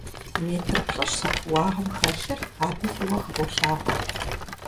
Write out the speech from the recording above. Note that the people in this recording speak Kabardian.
Метр плӏыщӏ зи кууагъым хэлъыр абы фӀыуэ хыболъагъуэ.